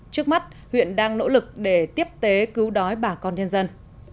trước mắt huyện đang nỗ lực để tiếp tế cứu đói bà con nhân dân